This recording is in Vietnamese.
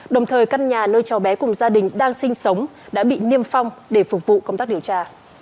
đồng thời căn nhà nơi cháu bé cùng gia đình đang sinh sống đã bị niêm phong để phục vụ công tác điều tra